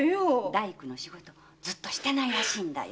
大工の仕事ずっとしてないらしいんだよ。